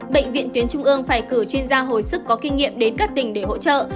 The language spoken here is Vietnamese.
bệnh viện tuyến trung ương phải cử chuyên gia hồi sức có kinh nghiệm đến các tỉnh để hỗ trợ